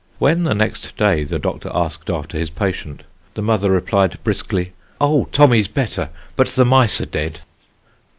When, the next day, the doctor asked after his patient, the mother replied briskly: "Oh, Tommy's better, but the mice are dead."